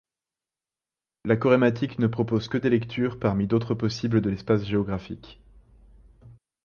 La chorématique ne propose que des lectures parmi d’autres possibles de l’espace géographique.